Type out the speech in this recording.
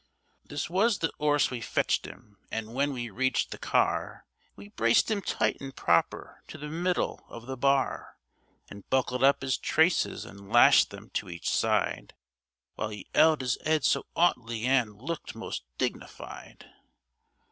This was the 'orse we fetched 'im; an' when we reached the car, We braced 'im tight and proper to the middle of the bar, And buckled up 'is traces and lashed them to each side, While 'e 'eld 'is 'ead so 'aughtily, an' looked most dignified.